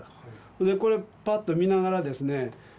ほんでこれパッと見ながらですね